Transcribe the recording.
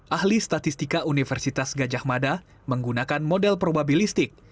ahli statistika universitas gajah mada menggunakan model probabilistik